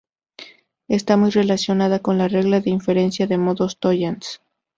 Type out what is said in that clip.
Está muy relacionada con la regla de inferencia de modus tollens.